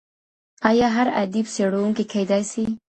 آیا هر ادئب څېړونکی کيدای سي؟